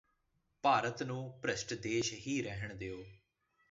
ਭਾਰਤ ਨੂੰ ਭਿਸ਼ਟ ਦੇਸ ਹੀ ਰਹਿਣ ਦਿਉ